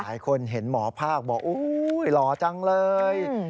หลายคนเห็นหมอภาคบอกหล่อจังเลย